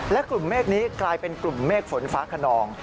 และกลุ่มเมฆนี้กลายเป็นกลุ่มเมฆฝนฟ้าขนอง